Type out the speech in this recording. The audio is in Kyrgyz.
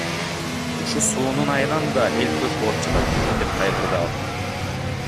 Ушу суунун айынан да эл көп ооруп жатат, — деп кайгырды ал.